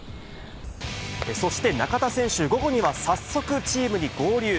そして中田選手、午後には早速、チームに合流。